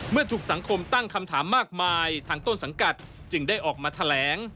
เมื่อถูกสังคมตั้งคำถามมากมายทางต้นสังกัดจึงได้ออกมาแถลง